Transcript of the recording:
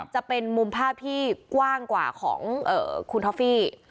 จะเป็นมุมภาพที่กว้างกว่าของคุณท็อฟฟี่